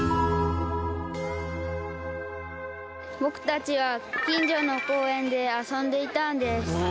僕たちは近所の公園で遊んでいたんです。